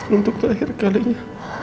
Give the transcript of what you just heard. untuk terakhir kalinya